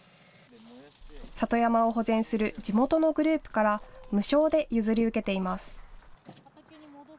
里山を保全する地元のグループから無償で譲り受けています。